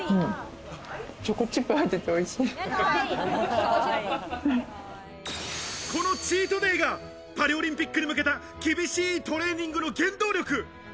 チョコチップ入ってておいしこのチートデイがパリオリンピックへ向けた厳しいトレーニングの原動力。